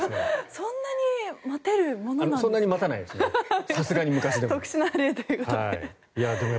そんなに待たないですね